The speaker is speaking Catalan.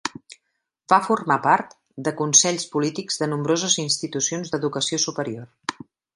Va formar part de consells polítics de nombroses institucions d'educació superior.